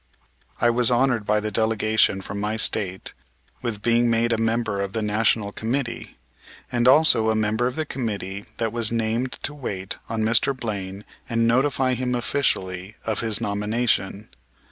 I was honored by the delegation from my State with being made a member of the National Committee, and also a member of the committee that was named to wait on Mr. Blaine and notify him officially of his nomination.